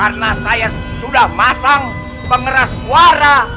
karena saya sudah masang pengeras suara